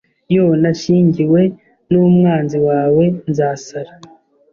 Yoo nashyingiwe numwanzi wawe Nzasara